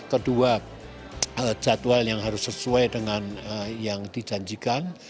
kedua jadwal yang harus sesuai dengan yang dijanjikan